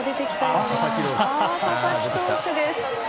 佐々木投手です。